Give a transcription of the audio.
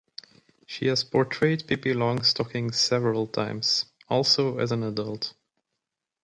She has portrayed Pippi Longstocking several times, also as an adult.